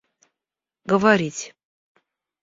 говорить